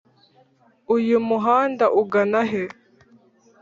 uyu muhanda ugana he?